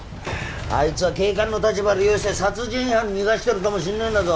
あいつは警官の立場利用して殺人犯逃がしてるかもしんねえんだぞ